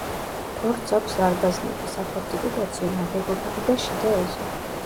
ფორტს აქვს ზარბაზნები, საფორტიფიკაციო ნაგებობები და შიდა ეზო.